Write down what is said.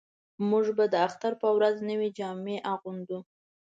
موږ د اختر په ورځ نوې جامې اغوندو